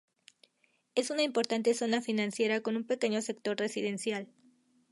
Es una importante zona financiera con un pequeño sector residencial.